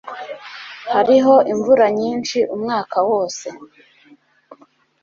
Hariho imvura nyinshi umwaka wose.